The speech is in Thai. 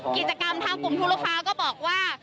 กิจกรรมทางกลุ่มทุรฟ้าก็บอกว่า